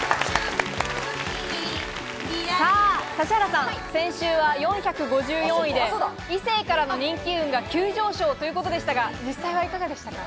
指原さん、先週は４５４位で異性からの人気運が急上昇ということでしたが実際はいかがでしたか？